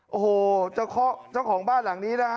โอ้โหเจ้าของบ้านหลังนี้นะฮะ